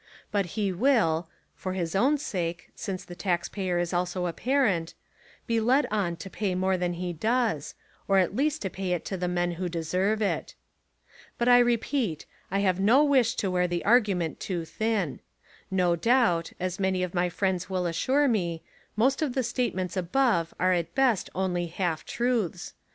But he will (for his own sake, since the tax payer is also a parent) be led on to pay more than he does, or at least to pay it to the men who deserve it. But I repeat I have i88 The Lot of the Schoolmaster no wish to wear the argument too thin. No doubt, as many of my friends will assure me, most of the statements above are at best only half truths.